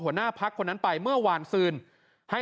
ไฮโซลุคนัทบอกว่าครั้งแรกที่เขารู้เรื่องนี้ได้ยินเรื่องนี้เนี่ย